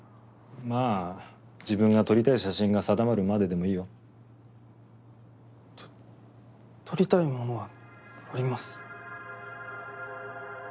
まあ自分が撮りたい写真が定まるまででもいいよ。と撮りたいものはあります。